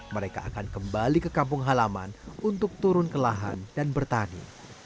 mereka akan kembali ke kampung halaman untuk turun ke lahan dan bertani